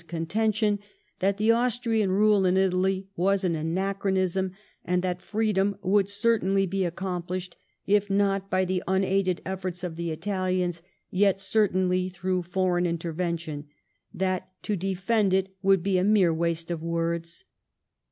justice of Falmenton's contention that the Aastiiaa rale in Italy was an anachronism, and that freedom would certainly be accomplished, if not by the unaided efforts of the Italians, yet certainly through foreign intervention^ that to defend it would be a mere waste of words.